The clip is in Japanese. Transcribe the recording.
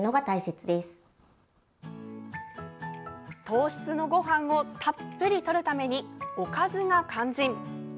糖質のごはんをたっぷりとるためにおかずが肝心。